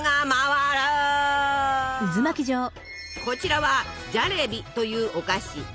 こちらは「ジャレビ」というお菓子。